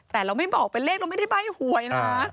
แต่เราไม่บอกเป็นเลขเราไม่ได้ใบ้หวยนะ